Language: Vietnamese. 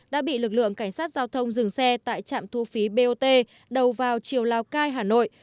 đã bị lực lượng cảnh sát giao thông dừng xe tại trạm thu phí bot đầu vào chiều lào cai hà nội